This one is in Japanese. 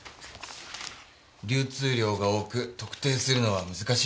流通量が多く特定するのは難しいと思います。